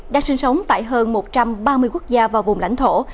đang sinh sống tại hơn một trăm ba mươi quốc gia và vùng lãnh thổ